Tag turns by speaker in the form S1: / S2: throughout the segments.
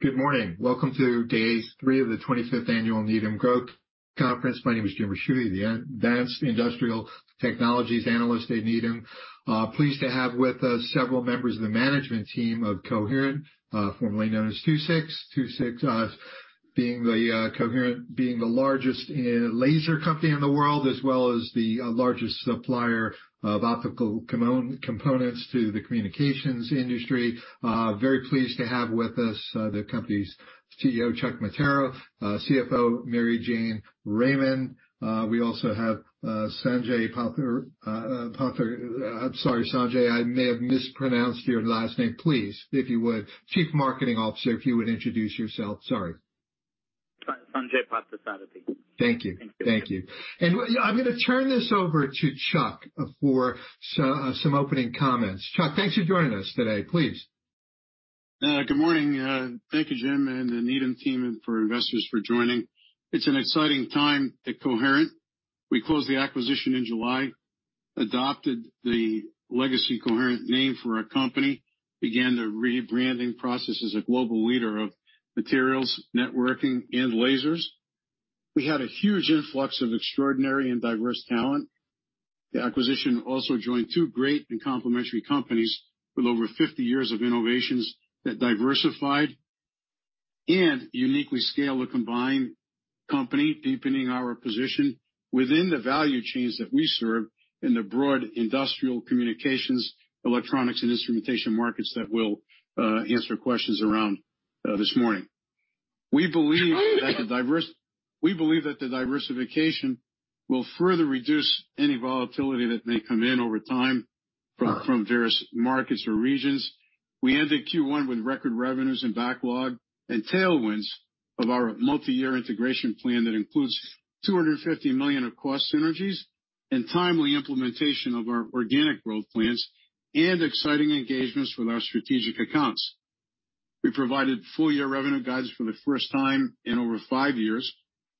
S1: Good morning. Welcome to day three of the 25th annual Needham Growth Conference. My name is Jim Ricchiuti, the advanced industrial technologies Analyst at Needham. Pleased to have with us several members of the management team of Coherent, formerly known as II-VI. II-VI, being the Coherent, being the largest laser company in the world, as well as the largest supplier of optical components to the communications industry. Very pleased to have with us the company's CEO, Chuck Mattera, CFO, Mary Jane Raymond. We also have Sanjay, I'm sorry, Sanjay, I may have mispronounced your last name. Please, if you would, Chief Marketing Officer, if you would introduce yourself. Sorry.
S2: Sanjay Parthasarathy.
S1: Thank you.
S2: Thank you.
S1: Thank you. I'm gonna turn this over to Chuck for some opening comments. Chuck, thanks for joining us today. Please.
S3: Good morning. Thank you, Jim, and the Needham team and for our investors for joining. It's an exciting time at Coherent. We closed the acquisition in July, adopted the legacy Coherent name for our company, began the rebranding process as a global leader of materials, networking, and lasers. We had a huge influx of extraordinary and diverse talent. The acquisition also joined two great and complementary companies with over 50 years of innovations that diversified and uniquely scale the combined company, deepening our position within the value chains that we serve in the broad industrial communications, electronics, and instrumentation markets that we'll answer questions around this morning. We believe that the diversification will further reduce any volatility that may come in over time from various markets or regions. We ended Q1 with record revenues and backlog and tailwinds of our multi-year integration plan that includes $250 million of cost synergies and timely implementation of our organic growth plans and exciting engagements with our strategic accounts. We provided full year revenue guidance for the first time in over five years.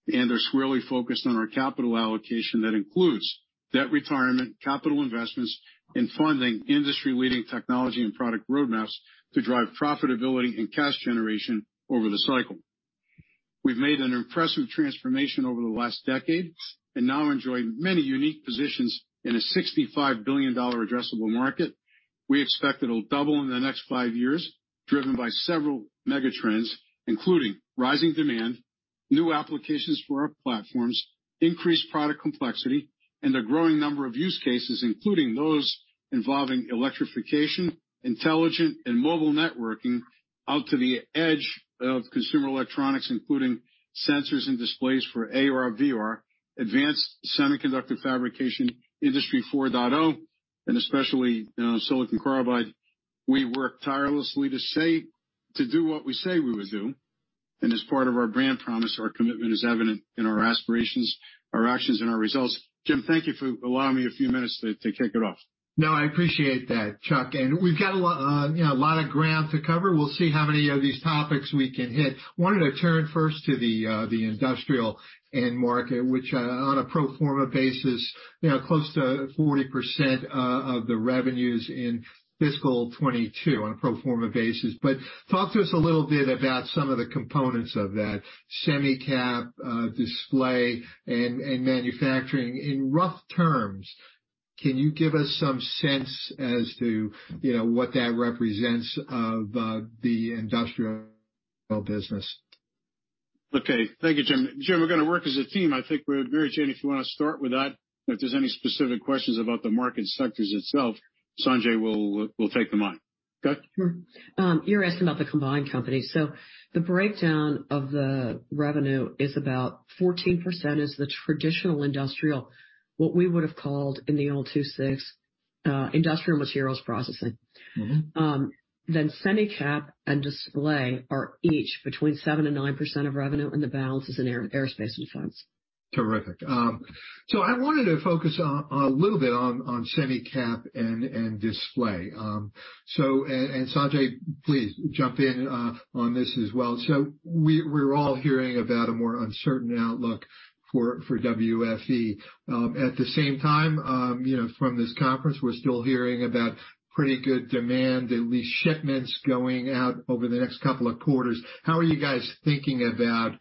S3: They're squarely focused on our capital allocation that includes debt retirement, capital investments, and funding industry-leading technology and product roadmaps to drive profitability and cash generation over the cycle. We've made an impressive transformation over the last decade and now enjoy many unique positions in a $65 billion addressable market. We expect it'll double in the next five years, driven by several megatrends, including rising demand, new applications for our platforms, increased product complexity, and a growing number of use cases, including those involving electrification, intelligent and mobile networking out to the edge of consumer electronics, including sensors and displays for AR/VR, advanced semiconductor fabrication Industry 4.0, and especially, you know, silicon carbide. We work tirelessly to do what we say we will do. As part of our brand promise, our commitment is evident in our aspirations, our actions, and our results. Jim, thank you for allowing me a few minutes to kick it off.
S1: No, I appreciate that, Chuck. We've got, you know, a lot of ground to cover. We'll see how many of these topics we can hit. Wanted to turn first to the industrial end market, which, on a pro forma basis, you know, close to 40% of the revenues in fiscal 2022 on a pro forma basis. Talk to us a little bit about some of the components of that semi cap, display, and manufacturing. In rough terms, can you give us some sense as to, you know, what that represents of the industrial business?
S3: Okay. Thank you, Jim. Jim, we're gonna work as a team. I think Mary Jane, if you wanna start with that. If there's any specific questions about the market sectors itself, Sanjay will take them on. Okay.
S4: Sure. You're asking about the combined company. The breakdown of the revenue is about 14% is the traditional industrial, what we would have called in the old II-VI, industrial materials processing.
S1: Mm-hmm.
S4: Semi cap and display are each between 7% and 9% of revenue, and the balance is in aerospace and defense.
S1: Terrific. I wanted to focus on a little bit on semi cap and display. Sanjay, please jump in on this as well. We're all hearing about a more uncertain outlook for WFE. At the same time, you know, from this conference, we're still hearing about pretty good demand, at least shipments going out over the next couple of quarters. How are you guys thinking about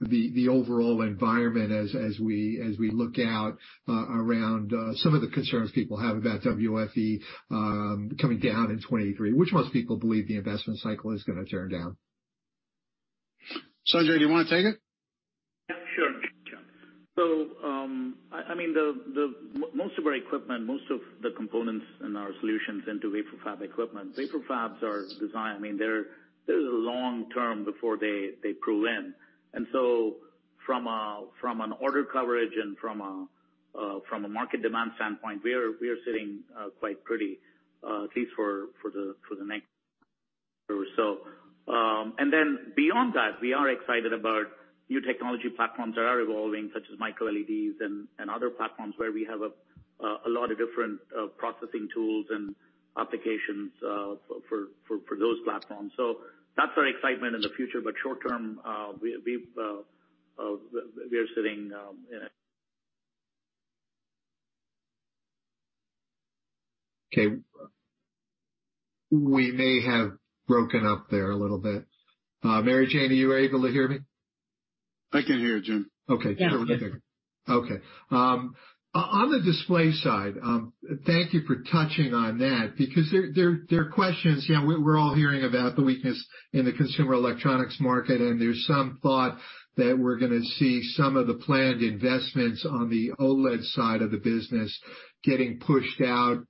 S1: the overall environment as we look out around some of the concerns people have about WFE coming down in 2023, which most people believe the investment cycle is gonna turn down.
S3: Sanjay, do you wanna take it?
S2: Sure. So, I mean, the most of our equipment, most of the components in our solutions into wafer fab equipment. Wafer fabs are designed, I mean, they're long-term before they prove in. So from a, from an order coverage and from a market demand standpoint, we are sitting quite pretty at least for the next or so. Beyond that, we are excited about new technology platforms that are evolving such as MicroLEDs and other platforms where we have a lot of different processing tools and applications for those platforms. That's our excitement in the future, but short term, we've we are sitting.
S1: We may have broken up there a little bit. Mary Jane, are you able to hear me?
S3: I can hear you, Jim.
S1: Okay.
S4: Yeah.
S1: Okay. On the display side, thank you for touching on that because there are questions. You know, we're all hearing about the weakness in the consumer electronics market, and there's some thought that we're gonna see some of the planned investments on the OLED side of the business getting pushed out,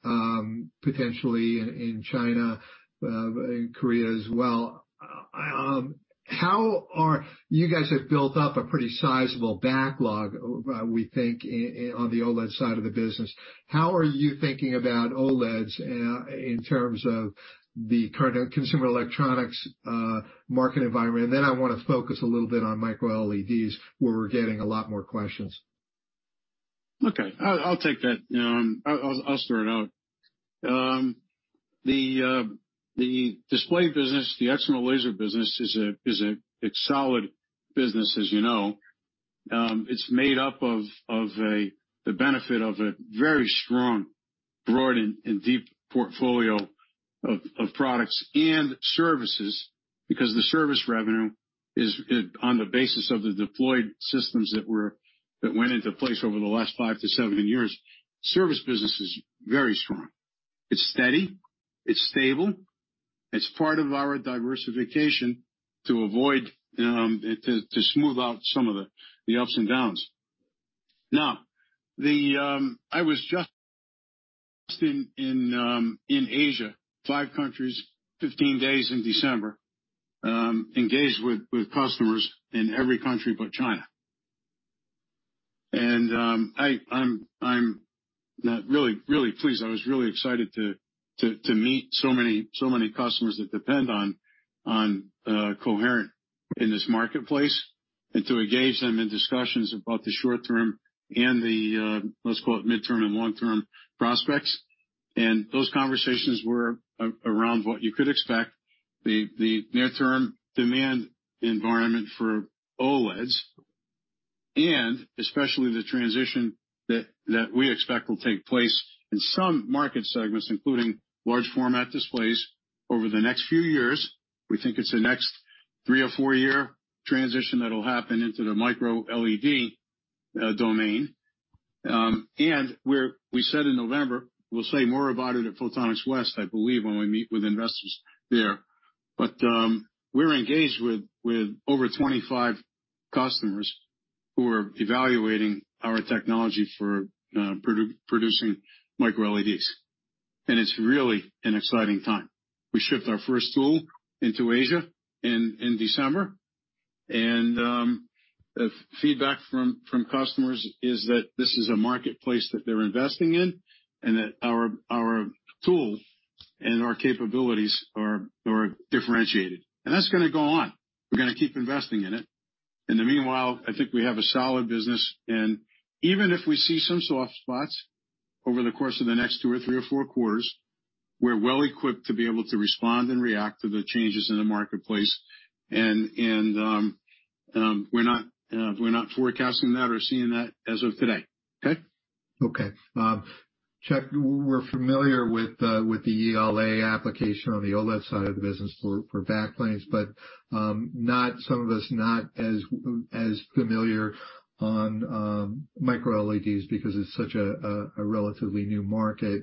S1: potentially in China, in Korea as well. You guys have built up a pretty sizable backlog, we think in, on the OLED side of the business. How are you thinking about OLEDs, in terms of the current consumer electronics, market environment? Then I wanna focus a little bit on MicroLEDs, where we're getting a lot more questions.
S3: Okay. I'll take that, I'll start out. The display business, the external laser business is a solid business, as you know. It's made up of the benefit of a very strong, broad, and deep portfolio of products and services because the service revenue is on the basis of the deployed systems that went into place over the last five to seven years, service business is very strong. It's steady, it's stable, it's part of our diversification to avoid to smooth out some of the ups and downs. I was just in Asia, five countries, 15 days in December, engaged with customers in every country but China. I'm really pleased. I was really excited to meet so many customers that depend on Coherent in this marketplace. To engage them in discussions about the short term and the, let's call it mid-term and long-term prospects. Those conversations were around what you could expect, the near-term demand environment for OLEDs, and especially the transition that we expect will take place in some market segments, including large format displays over the next few years. We think it's the next three or four-year transition that'll happen into the MicroLED domain. We said in November, we'll say more about it at Photonics West, I believe, when we meet with investors there. We're engaged with over 25 customers who are evaluating our technology for producing MicroLEDs. It's really an exciting time. We shipped our first tool into Asia in December. Feedback from customers is that this is a marketplace that they're investing in and that our tools and our capabilities are differentiated. That's gonna go on. We're gonna keep investing in it. In the meanwhile, I think we have a solid business. Even if we see some soft spots over the course of the next two or three or four quarters, we're well equipped to be able to respond and react to the changes in the marketplace. We're not forecasting that or seeing that as of today. Okay?
S1: Chuck, we're familiar with the ELA application on the OLED side of the business for backplanes, but not some of us not as familiar on MicroLEDs because it's such a relatively new market.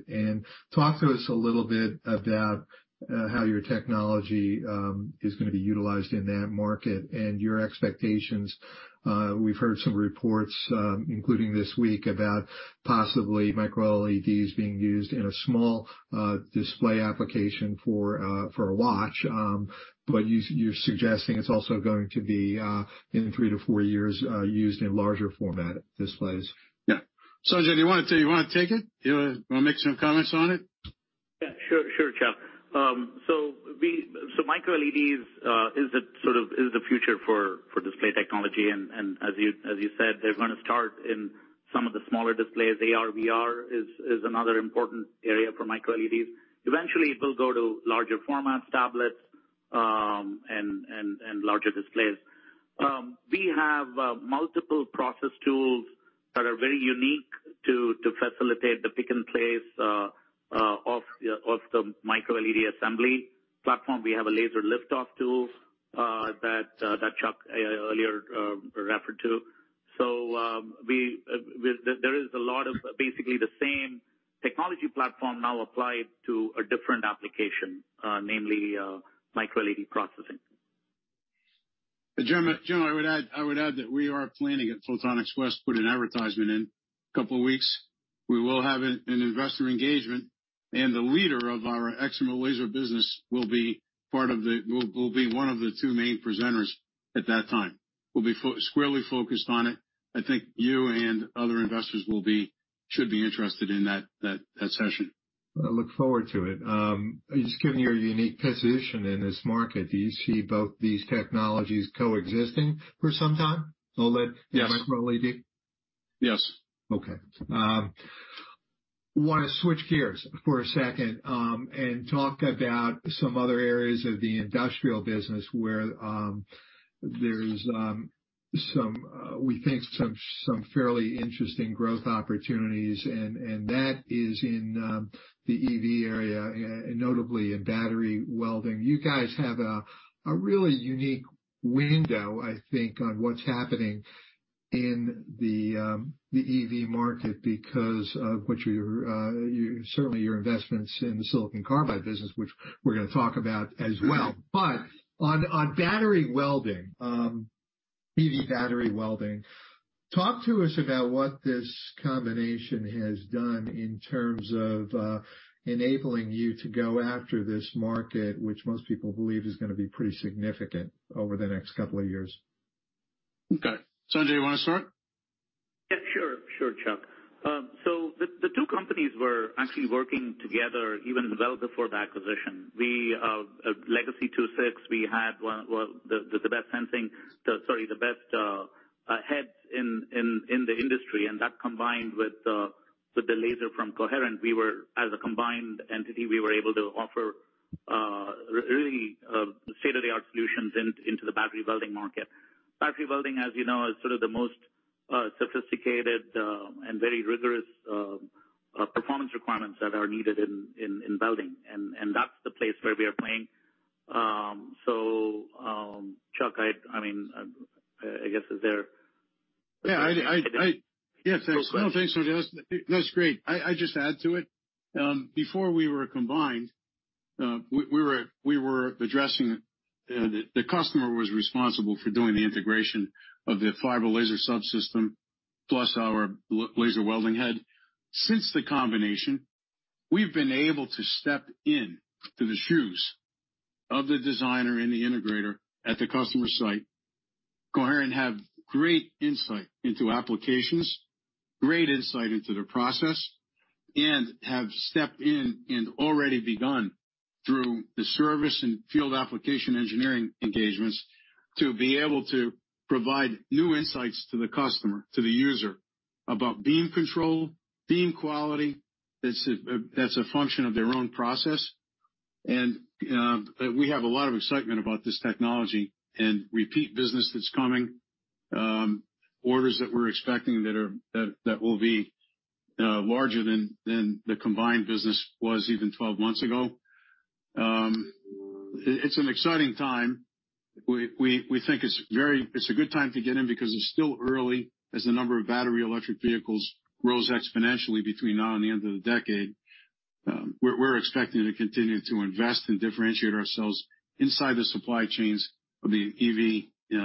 S1: Talk to us a little bit about how your technology is going to be utilized in that market and your expectations. We've heard some reports, including this week, about possibly MicroLEDs being used in a small display application for a watch. You're suggesting it's also going to be in three to four years used in larger format displays.
S3: Yeah. Sanjay, do you wanna take it? You wanna make some comments on it?
S2: Sure. Sure, Chuck. MicroLEDs is the sort of is the future for display technology. As you said, they're gonna start in some of the smaller displays. AR/VR is another important area for MicroLEDs. Eventually, it will go to larger formats, tablets, and larger displays. We have multiple process tools that are very unique to facilitate the pick and place of the MicroLED assembly platform. We have a Laser Lift-Off tool that Chuck earlier referred to. There is a lot of basically the same technology platform now applied to a different application, namely MicroLED processing.
S3: Jim, I would add that we are planning at Photonics West to put an advertisement in a couple of weeks. We will have an investor engagement, and the leader of our external laser business will be one of the two main presenters at that time. We'll be squarely focused on it. I think you and other investors will be, should be interested in that session.
S1: I look forward to it. Just given your unique position in this market, do you see both these technologies coexisting for some time, OLED?
S3: Yes.
S1: and MicroLED?
S3: Yes.
S1: Okay. Want to switch gears for one second, talk about some other areas of the industrial business where there's some, we think some fairly interesting growth opportunities, and that is in the EV area, notably in battery welding. You guys have a really unique window, I think, on what's happening in the EV market because of what your certainly your investments in the silicon carbide business, which we're gonna talk about as well. On battery welding, EV battery welding, talk to us about what this combination has done in terms of enabling you to go after this market, which most people believe is gonna be pretty significant over the next two years.
S3: Okay. Sanjay, you wanna start?
S2: Yeah. Sure, sure, Chuck. The two companies were actually working together even well before the acquisition. We, legacy II-VI, we had the best heads in the industry, and that combined with the laser from Coherent, we were, as a combined entity, we were able to offer really state-of-the-art solutions into the battery welding market. Battery welding, as you know, is sort of the most sophisticated and very rigorous performance requirements that are needed in welding, and that's the place where we are playing. Chuck, I mean, I guess is there?
S3: Yeah, I'd.
S2: Go ahead.
S3: Thanks. Thanks, Sanjay. That's great. I just add to it, before we were combined, we were addressing the customer was responsible for doing the integration of the fiber laser subsystem plus our laser welding head. Since the combination, we've been able to step in to the shoes of the designer and the integrator at the customer site. Coherent have great insight into applications, great insight into the process, and have stepped in and already begun through the service and field application engineering engagements to be able to provide new insights to the customer, to the user about beam control, beam quality. That's a, that's a function of their own process. We have a lot of excitement about this technology and repeat business that's coming, orders that we're expecting that are... That will be larger than the combined business was even 12 months ago. It's an exciting time. We think it's a good time to get in because it's still early as the number of battery electric vehicles grows exponentially between now and the end of the decade. We're expecting to continue to invest and differentiate ourselves inside the supply chains of the EV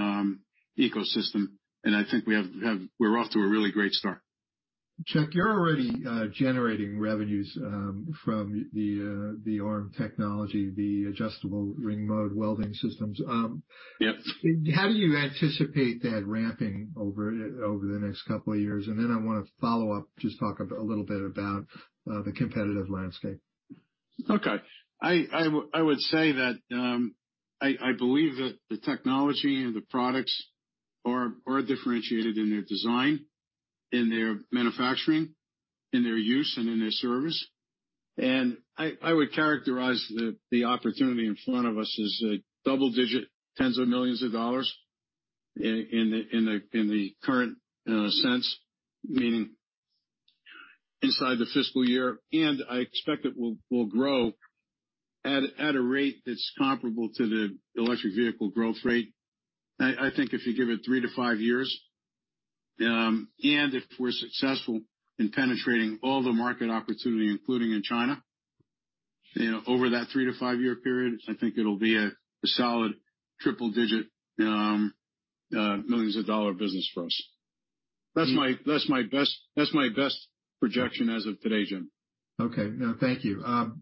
S3: ecosystem, and I think we're off to a really great start.
S1: Chuck, you're already generating revenues, from the ARM technology, the Adjustable Ring Mode welding systems.
S3: Yep.
S1: How do you anticipate that ramping over the next couple of years? I wanna follow up, just talk a little bit about the competitive landscape.
S3: Okay. I would say that I believe that the technology and the products are differentiated in their design, in their manufacturing, in their use, and in their service. I would characterize the opportunity in front of us as a double digit tens of millions of dollars in the current sense, meaning inside the fiscal year. I expect it will grow at a rate that's comparable to the electric vehicle growth rate. I think if you give it three to five years, and if we're successful in penetrating all the market opportunity, including in China, you know, over that three to five-year period, I think it'll be a solid triple digit millions of dollar business for us. That's my best projection as of today, Jim.
S1: Okay. No, thank you.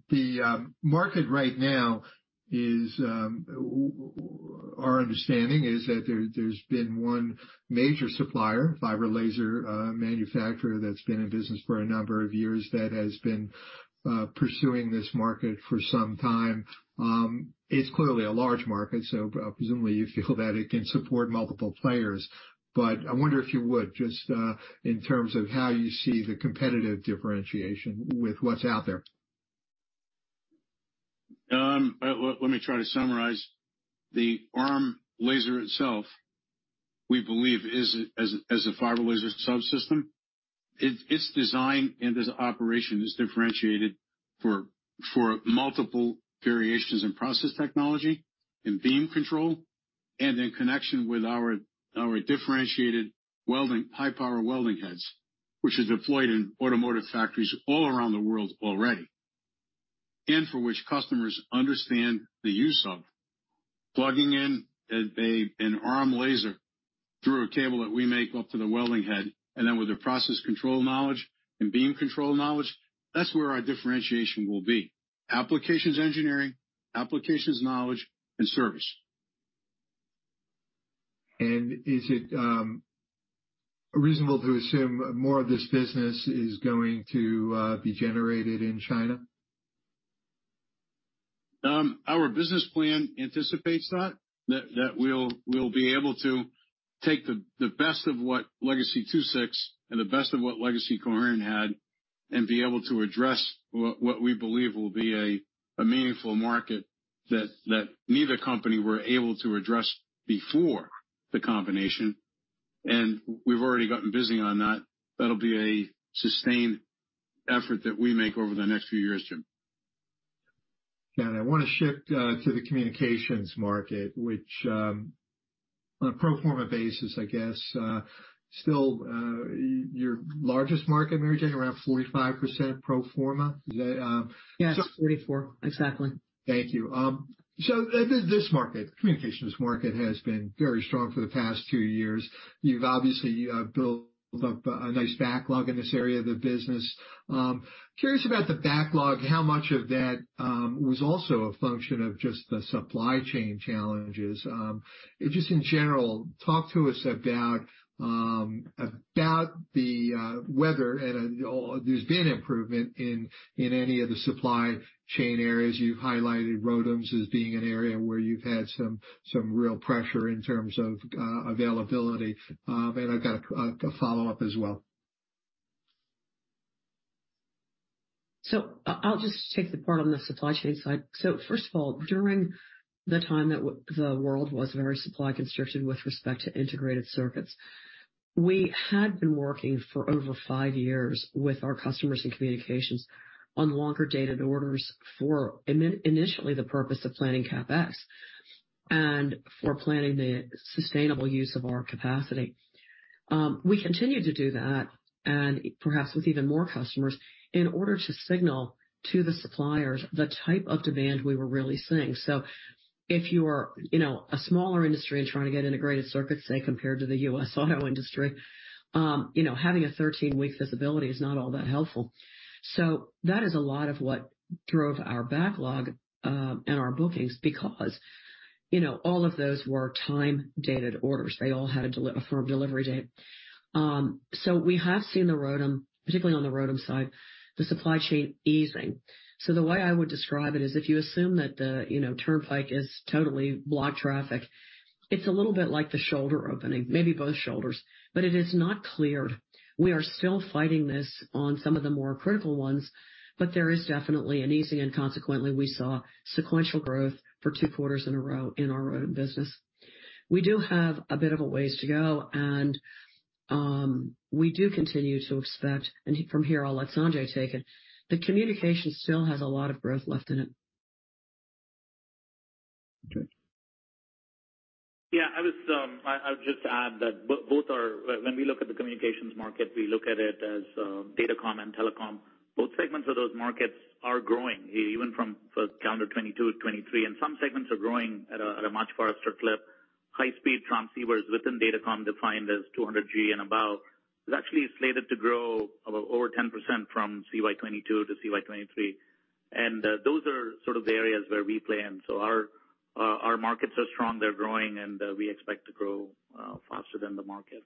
S1: The market right now is our understanding is that there's been one major supplier, fiber laser manufacturer that's been in business for a number of years, that has been pursuing this market for some time. It's clearly a large market, so presumably you feel that it can support multiple players. I wonder if you would just in terms of how you see the competitive differentiation with what's out there?
S3: Let me try to summarize. The ARM laser itself, we believe is as a fiber laser subsystem, its design and its operation is differentiated for multiple variations in process technology, in beam control, and in connection with our differentiated welding, high power welding heads, which is deployed in automotive factories all around the world already, and for which customers understand the use of. Plugging in an ARM laser through a cable that we make up to the welding head, and then with the process control knowledge and beam control knowledge, that's where our differentiation will be. Applications engineering, applications knowledge, and service.
S1: Is it reasonable to assume more of this business is going to be generated in China?
S3: Our business plan anticipates that we'll be able to take the best of what legacy II-VI and the best of what legacy Coherent had and be able to address what we believe will be a meaningful market that neither company were able to address before the combination. We've already gotten busy on that. That'll be a sustained effort that we make over the next few years, Jim.
S1: Yeah. I wanna shift to the communications market, which, on a pro forma basis, I guess, still, your largest market, Mary Jane, around 45% pro forma. Is that?
S4: Yes, 44. Exactly.
S1: Thank you. This market, communications market, has been very strong for the past two years. You've obviously built up a nice backlog in this area of the business. Curious about the backlog. How much of that was also a function of just the supply chain challenges? If just in general, talk to us about about the whether and or there's been improvement in any of the supply chain areas. You've highlighted ROADMs as being an area where you've had some real pressure in terms of availability. I've got a follow-up as well.
S4: I'll just take the part on the supply chain side. First of all, during the time that the world was very supply constricted with respect to integrated circuits, we had been working for over five years with our customers in communications on longer dated orders for initially the purpose of planning CapEx and for planning the sustainable use of our capacity. We continued to do that, and perhaps with even more customers, in order to signal to the suppliers the type of demand we were really seeing. If you are, you know, a smaller industry and trying to get integrated circuits, say, compared to the U.S. auto industry, you know, having a 13-week visibility is not all that helpful. That is a lot of what drove our backlog, and our bookings because, you know, all of those were time-dated orders. They all had a firm delivery date. We have seen the ROADM, particularly on the ROADM side, the supply chain easing. The way I would describe it is if you assume that the, you know, turnpike is totally blocked traffic, it's a little bit like the shoulder opening, maybe both shoulders, but it is not cleared. We are still fighting this on some of the more critical ones, but there is definitely an easing, and consequently, we saw sequential growth for two quarters in a row in our ROADM business. We do have a bit of a ways to go, and we do continue to expect, and from here, I'll let Sanjay take it, but communication still has a lot of growth left in it.
S1: Sanjay?
S2: Yeah. I would just add that when we look at the communications market, we look at it as data comm and telecom. Both segments of those markets are growing, even from CY 2022-CY 2023, and some segments are growing at a much faster clip. High speed transceivers within data comm defined as 200G and above is actually slated to grow about over 10% from CY 2022-CY 2023. Those are sort of the areas where we play. Our markets are strong, they're growing, and we expect to grow faster than the market.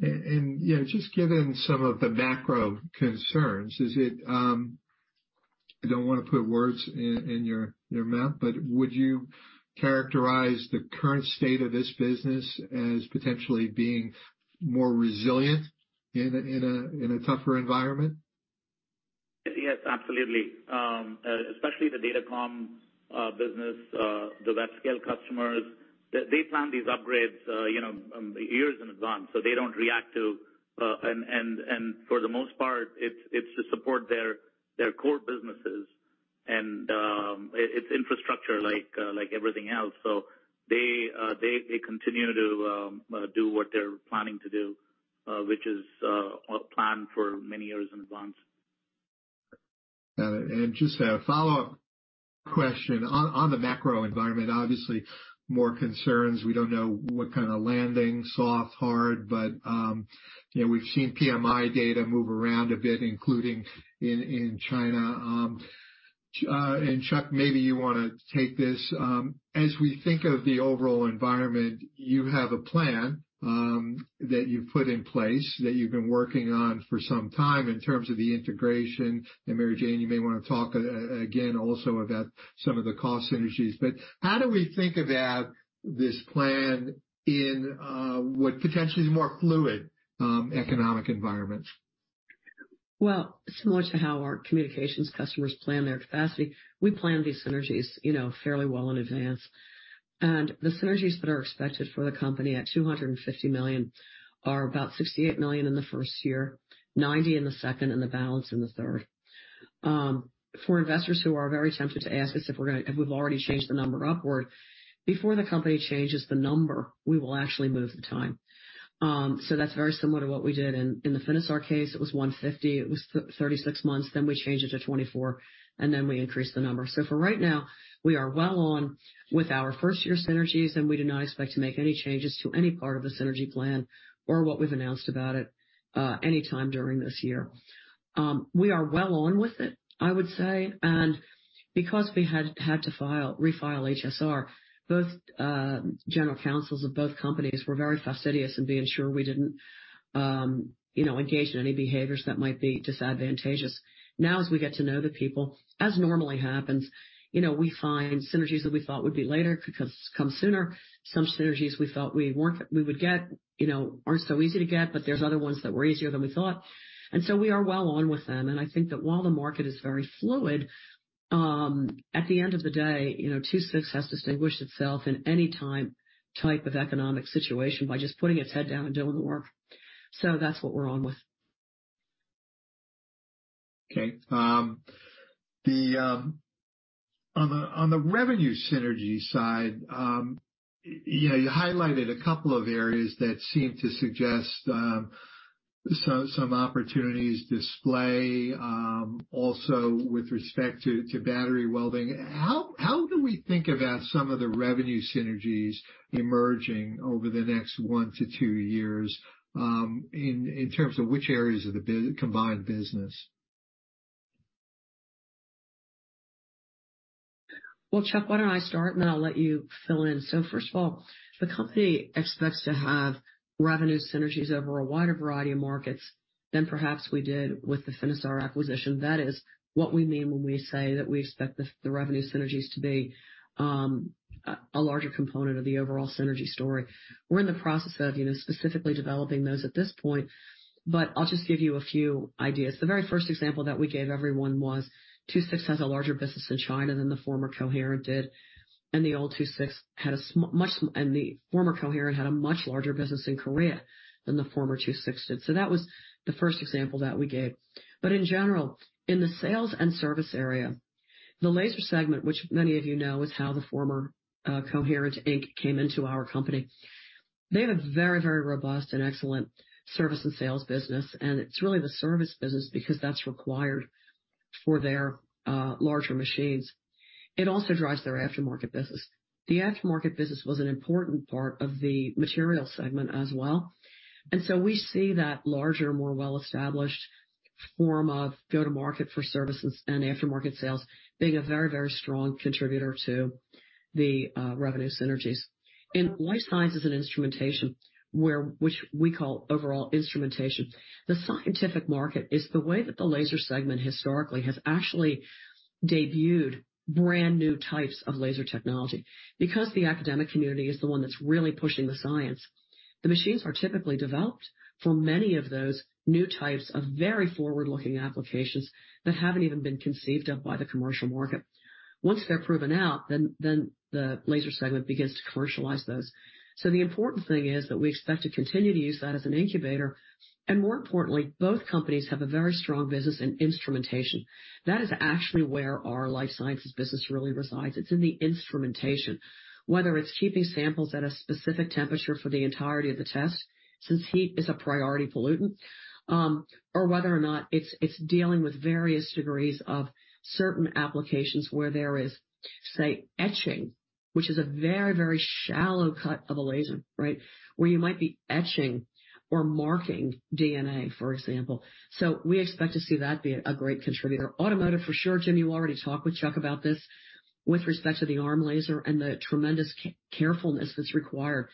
S1: Yeah, just given some of the macro concerns, is it, I don't wanna put words in your mouth, but would you characterize the current state of this business as potentially being more resilient in a tougher environment?
S2: Yes. Absolutely. especially the data comm business, the web-scale customers, they plan these upgrades, you know, years in advance, so they don't react to. And for the most part, it's to support their core businesses and it's infrastructure like everything else. They continue to do what they're planning to do, which is planned for many years in advance.
S1: Got it. Just a follow-up question on the macro environment, obviously more concerns. We don't know what kind of landing, soft, hard, but, you know, we've seen PMI data move around a bit, including in China. Chuck, maybe you wanna take this. As we think of the overall environment, you have a plan that you've put in place that you've been working on for some time in terms of the integration. Mary Jane, you may wanna talk again also about some of the cost synergies. How do we think about this plan in what potentially is a more fluid economic environment?
S4: Well, similar to how our communications customers plan their capacity, we plan these synergies, you know, fairly well in advance. The synergies that are expected for the company at $250 million are about $68 million in the first year, $90 million in the second, and the balance in the third. For investors who are very tempted to ask us if we've already changed the number upward, before the company changes the number, we will actually move the time. That's very similar to what we did in the Finisar case. It was $150 million, it was 36 months, then we changed it to 24 months, and then we increased the number. For right now, we are well on with our first-year synergies, and we do not expect to make any changes to any part of the synergy plan or what we've announced about it. Any time during this year. We are well on with it, I would say. Because we had to file, refile HSR, both general counsels of both companies were very fastidious in being sure we didn't, you know, engage in any behaviors that might be disadvantageous. As we get to know the people, as normally happens, you know, we find synergies that we thought would be later could come sooner. Some synergies we felt we would get, you know, aren't so easy to get, but there's other ones that were easier than we thought. We are well on with them. I think that while the market is very fluid, at the end of the day, you know, II-VI has distinguished itself in any type of economic situation by just putting its head down and doing the work. That's what we're on with.
S1: Okay. The on the revenue synergy side, you know, you highlighted a couple of areas that seem to suggest some opportunities display, also with respect to battery welding. How do we think about some of the revenue synergies emerging over the next one to two years, in terms of which areas of the combined business?
S4: Well, Chuck, why don't I start, and then I'll let you fill in. First of all, the company expects to have revenue synergies over a wider variety of markets than perhaps we did with the Finisar acquisition. That is what we mean when we say that we expect the revenue synergies to be a larger component of the overall synergy story. We're in the process of, you know, specifically developing those at this point, but I'll just give you a few ideas. The very first example that we gave everyone was II-VI has a larger business in China than the former Coherent did, and the former Coherent had a much larger business in Korea than the former II-VI did. That was the first example that we gave. In general, in the sales and service area, the laser segment, which many of you know, is how the former Coherent, Inc. came into our company. They have a very, very robust and excellent service and sales business, and it's really the service business because that's required for their larger machines. It also drives their aftermarket business. The aftermarket business was an important part of the material segment as well. We see that larger, more well-established form of go-to-market for services and aftermarket sales being a very, very strong contributor to the revenue synergies. In life sciences and instrumentation, where, which we call overall instrumentation, the scientific market is the way that the laser segment historically has actually debuted brand-new types of laser technology. Because the academic community is the one that's really pushing the science, the machines are typically developed for many of those new types of very forward-looking applications that haven't even been conceived of by the commercial market. Once they're proven out, then the laser segment begins to commercialize those. The important thing is that we expect to continue to use that as an incubator. More importantly, both companies have a very strong business in instrumentation. That is actually where our life sciences business really resides. It's in the instrumentation, whether it's keeping samples at a specific temperature for the entirety of the test, since heat is a priority pollutant, or whether or not it's dealing with various degrees of certain applications where there is, say, etching, which is a very, very shallow cut of a laser, right? Where you might be etching or marking DNA, for example. We expect to see that be a great contributor. Automotive for sure. Jim, you already talked with Chuck about this with respect to the ARM laser and the tremendous carefulness that's required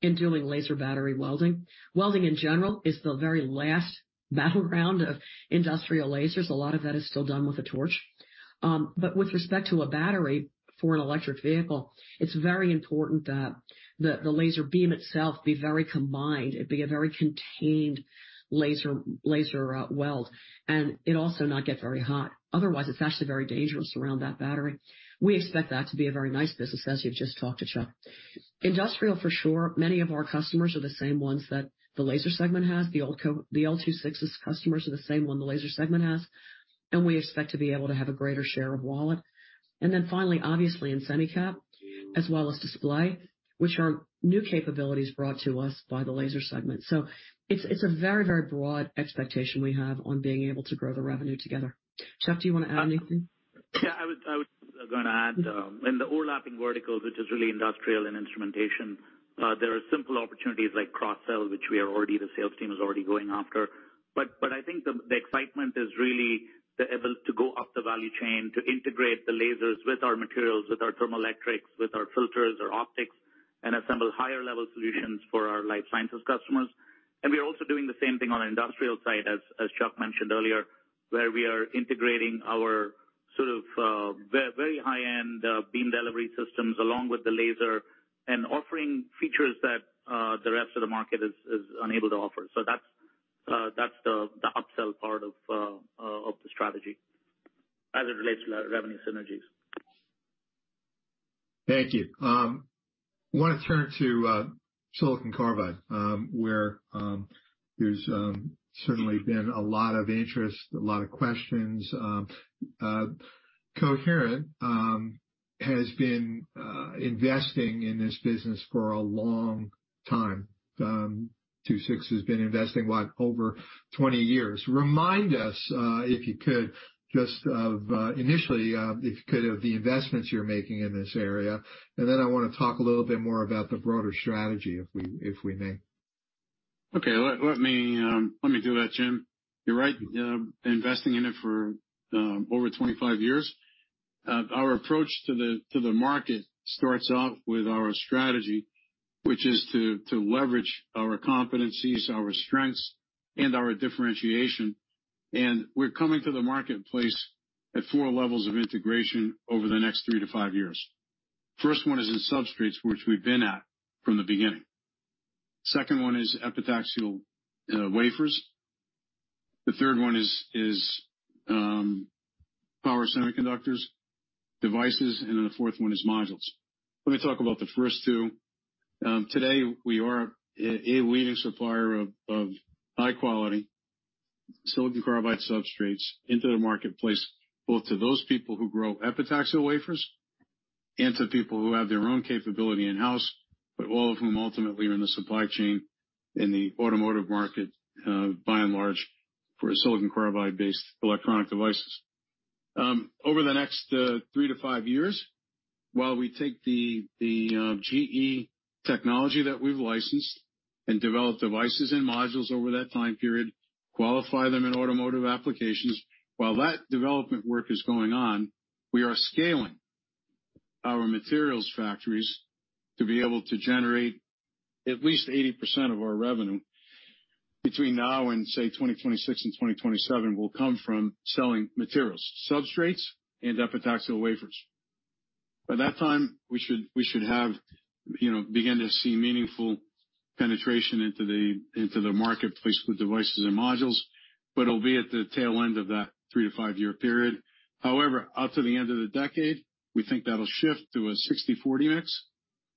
S4: in doing laser battery welding. Welding, in general, is the very last battleground of industrial lasers. A lot of that is still done with a torch. With respect to a battery for an electric vehicle, it's very important that the laser beam itself be very combined. It be a very contained laser weld, and it also not get very hot. Otherwise, it's actually very dangerous around that battery. We expect that to be a very nice business, as you've just talked to Chuck. Industrial, for sure. Many of our customers are the same ones that the laser segment has. The old II-VI customers are the same one the laser segment has. We expect to be able to have a greater share of wallet. Finally, obviously, in semi cap as well as display, which are new capabilities brought to us by the laser segment. It's a very broad expectation we have on being able to grow the revenue together. Chuck, do you want to add anything?
S2: I was going to add, in the overlapping verticals, which is really industrial and instrumentation, there are simple opportunities like cross-sell, which we are already, the sales team is already going after. I think the excitement is really the able to go up the value chain to integrate the lasers with our materials, with our thermoelectrics, with our filters, our optics, and assemble higher level solutions for our life sciences customers. We are also doing the same thing on an industrial side, as Chuck mentioned earlier, where we are integrating our sort of very high-end beam delivery systems along with the laser and offering features that the rest of the market is unable to offer. That's the upsell part of the strategy as it relates to the revenue synergies.
S1: Thank you. Wanna turn to silicon carbide, where there's certainly been a lot of interest, a lot of questions. Coherent has been investing in this business for a long time. II-VI has been investing, what, over 20 years. Remind us, if you could, just of, initially, if you could, of the investments you're making in this area. I wanna talk a little bit more about the broader strategy if we may.
S3: Okay. Let me do that, Jim. You're right. Been investing in it for over 25 years. Our approach to the market starts off with our strategy, which is to leverage our competencies, our strengths, and our differentiation. We're coming to the marketplace at four levels of integration over the next three to five years. First one is in substrates, which we've been at from the beginning. Second one is epitaxial wafers. The third one is power semiconductors devices, and then the fourth one is modules. Let me talk about the first two. Today we are a leading supplier of high quality silicon carbide substrates into the marketplace, both to those people who grow epitaxial wafers and to people who have their own capability in-house, but all of whom ultimately are in the supply chain in the automotive market, by and large, for silicon carbide based electronic devices. Over the next three to five years, while we take the GE technology that we've licensed and develop devices and modules over that time period, qualify them in automotive applications. While that development work is going on, we are scaling our materials factories to be able to generate at least 80% of our revenue between now and say, 2026 and 2027 will come from selling materials, substrates and epitaxial wafers. By that time, we should have, you know, begin to see meaningful penetration into the marketplace with devices and modules, but it'll be at the tail end of that three to five-year period. Out to the end of the decade, we think that'll shift to a 60/40 mix,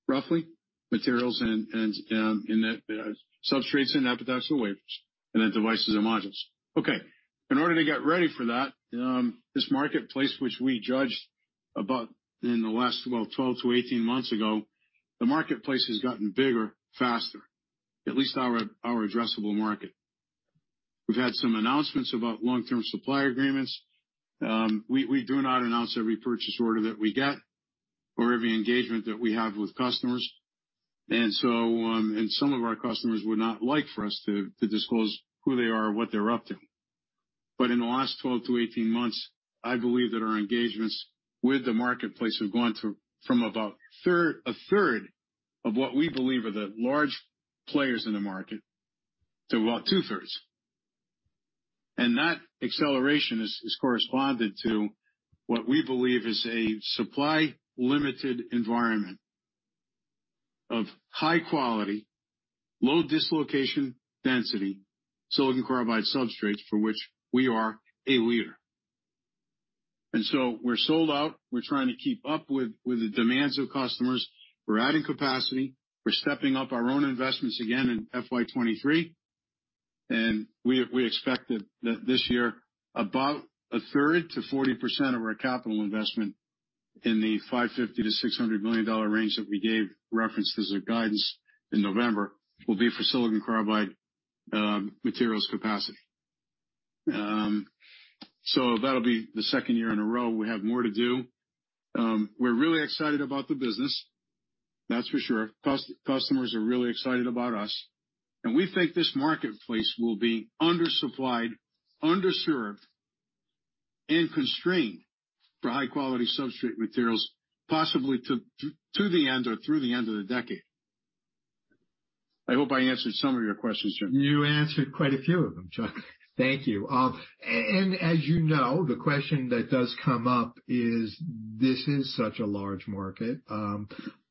S3: roughly, materials and, in that, substrates and epitaxial wafers and then devices and modules. Okay. In order to get ready for that, this marketplace which we judged about in the last, well, 12-18 months ago, the marketplace has gotten bigger, faster, at least our addressable market. We've had some announcements about long-term supply agreements. We do not announce every purchase order that we get or every engagement that we have with customers. Some of our customers would not like for us to disclose who they are or what they're up to. In the last 12-18 months, I believe that our engagements with the marketplace have gone through, from about a third of what we believe are the large players in the market to about two-thirds. That acceleration is corresponded to what we believe is a supply limited environment of high quality, low dislocation density, silicon carbide substrates for which we are a leader. We're sold out. We're trying to keep up with the demands of customers. We're adding capacity. We're stepping up our own investments again in FY 2023. We expect that this year, about a third to 40% of our capital investment in the $550 million-$600 million range that we gave references or guidance in November will be for silicon carbide materials capacity. That'll be the second year in a row we have more to do. We're really excited about the business, that's for sure. Customers are really excited about us, and we think this marketplace will be undersupplied, underserved, and constrained for high quality substrate materials, possibly to the end or through the end of the decade. I hope I answered some of your questions, Jim.
S1: You answered quite a few of them, Chuck. Thank you. As you know, the question that does come up is, this is such a large market,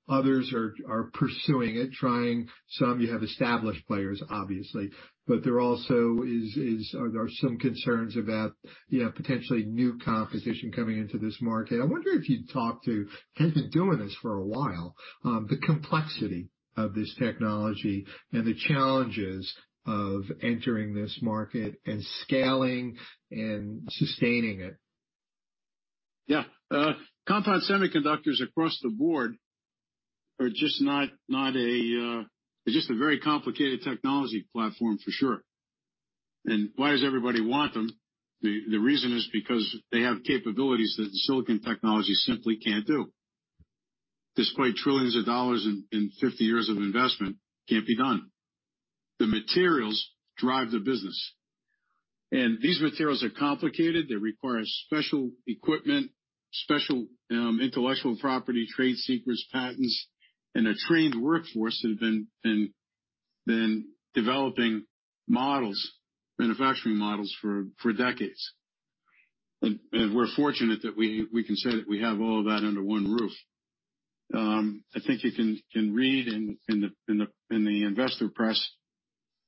S1: others are pursuing it, trying some. You have established players, obviously, but there also are there some concerns about, you know, potentially new competition coming into this market. I wonder if you'd talk to, and you've been doing this for a while, the complexity of this technology and the challenges of entering this market and scaling and sustaining it.
S3: Yeah. compound semiconductors across the board they're just a very complicated technology platform for sure. Why does everybody want them? The reason is because they have capabilities that silicon technology simply can't do. Despite trillions of dollars in 50 years of investment, can't be done. The materials drive the business, and these materials are complicated. They require special equipment, special intellectual property, trade secrets, patents, and a trained workforce that have been developing models, manufacturing models for decades. We're fortunate that we can say that we have all of that under one roof. I think you can read in the investor press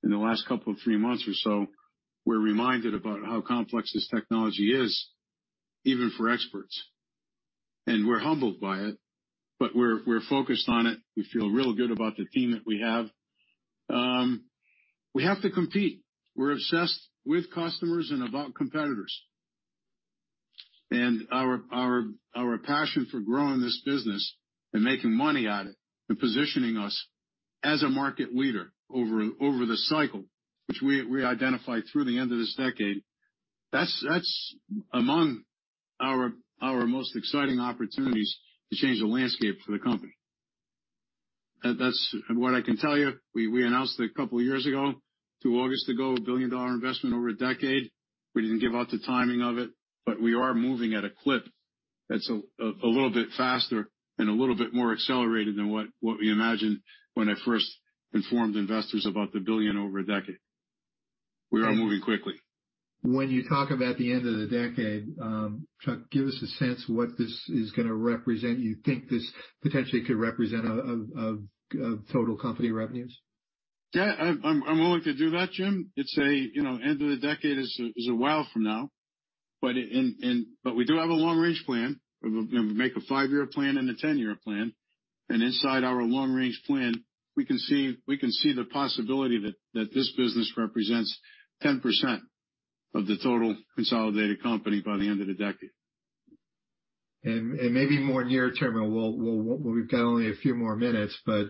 S3: in the last couple of three months or so, we're reminded about how complex this technology is, even for experts. We're humbled by it, but we're focused on it. We feel real good about the team that we have. We have to compete. We're obsessed with customers and about competitors. Our passion for growing this business and making money at it and positioning us as a market leader over the cycle, which we identify through the end of this decade. That's among our most exciting opportunities to change the landscape for the company. That's what I can tell you. We announced it a couple of years ago, through August to go a billion-dollar investment over a decade. We didn't give out the timing of it, but we are moving at a clip that's a little bit faster and a little bit more accelerated than what we imagined when I first informed investors about the billion over a decade. We are moving quickly.
S1: When you talk about the end of the decade, Chuck, give us a sense of what this is gonna represent. You think this potentially could represent of total company revenues?
S3: Yeah, I'm willing to do that, Jim. You know, end of the decade is a while from now, but we do have a long range plan. We make a five-year plan and a 10-year plan. Inside our long range plan, we can see the possibility that this business represents 10% of the total consolidated company by the end of the decade.
S1: Maybe more near-term, and we'll we've got only a few more minutes, but,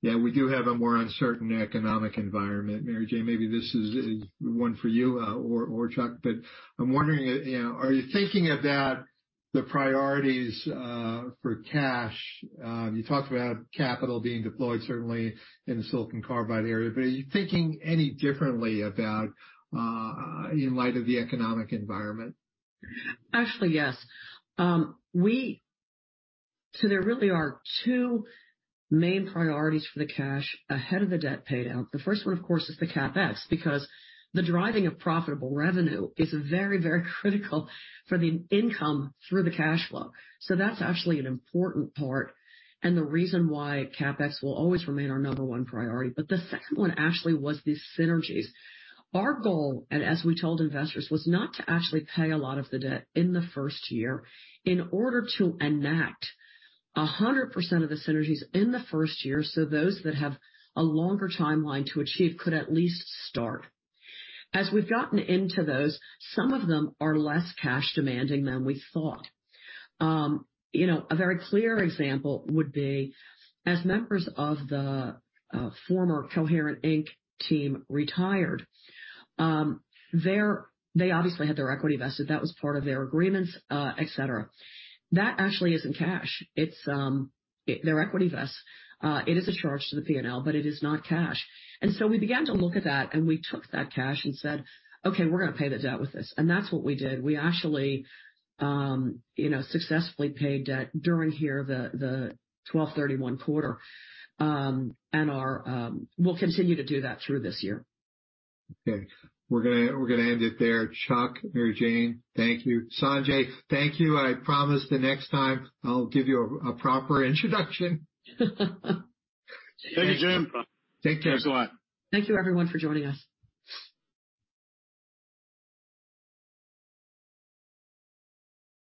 S1: yeah, we do have a more uncertain economic environment. Mary Jane, maybe this is one for you, or Chuck, but I'm wondering, you know, are you thinking about the priorities for cash? You talked about capital being deployed certainly in the silicon carbide area, but are you thinking any differently about, in light of the economic environment?
S4: Actually, yes. There really are two main priorities for the cash ahead of the debt pay down. The first one, of course, is the CapEx, because the driving of profitable revenue is very, very critical for the income through the cash flow. That's actually an important part and the reason why CapEx will always remain our number one priority. The second one actually was the synergies. Our goal, and as we told investors, was not to actually pay a lot of the debt in the first year in order to enact 100% of the synergies in the first year, so those that have a longer timeline to achieve could at least start. As we've gotten into those, some of them are less cash demanding than we thought. You know, a very clear example would be as members of the former Coherent, Inc. team retired, they obviously had their equity vested. That was part of their agreements, et cetera. That actually isn't cash. It's, their equity vest, it is a charge to the P&L, but it is not cash. We began to look at that, and we took that cash and said, "Okay, we're gonna pay the debt with this." That's what we did. We actually, you know, successfully paid debt during here the 12/31 quarter. We'll continue to do that through this year.
S1: Okay. We're gonna end it there. Chuck, Mary Jane, thank you. Sanjay, thank you. I promise the next time I'll give you a proper introduction.
S3: Thank you, Jim.
S1: Take care.
S3: Thanks a lot.
S4: Thank you everyone for joining us.